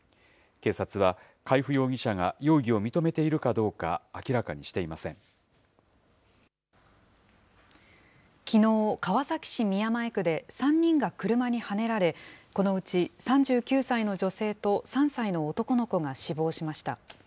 警察は、海部容疑者が容疑を認めているかどうか、明らかにしていきのう、川崎市宮前区で３人が車にはねられ、このうち３９歳の女性と３歳の男の子が死亡しました。